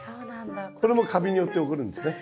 これもカビによって起こるんですね。